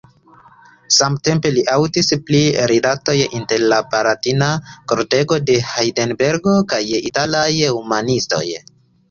Samtempe li aŭdis pri rilatoj inter la palatina kortego de Hajdelbergo kaj italaj humanistoj.